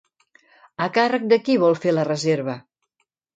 A càrrec de qui vol fer la reserva?